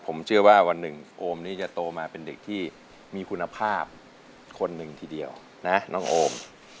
ผมเชื่อว่าวันหนึ่งโอมนี้จะโตมาเป็นเด็กที่มีคุณภาพคนหนึ่งทีเดียวนะน้องโอม